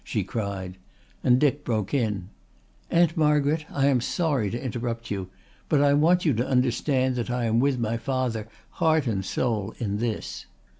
she cried, and Dick broke in: "Aunt Margaret, I am sorry to interrupt you. But I want you to understand that I am with my father heart and soul in this."